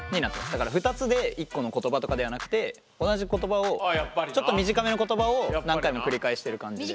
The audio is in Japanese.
だから２つで１個の言葉とかではなくて同じ言葉をちょっと短めの言葉を何回も繰り返している感じです。